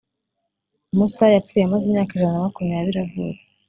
musa yapfuye amaze imyaka ijana na makumyabiri avutse;